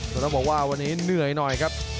แต่ต้องบอกว่าวันนี้เหนื่อยหน่อยครับ